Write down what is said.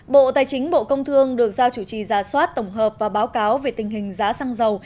bộ tài chính bộ công thương được giao chủ trì giả soát tổng hợp và báo cáo về tình hình giá xăng dầu